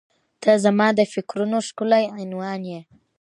• ته زما د فکرونو ښکلی عنوان یې.